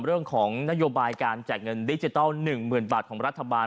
เรื่องของนโยบายการแจกเงินดิจิทัล๑๐๐๐บาทของรัฐบาล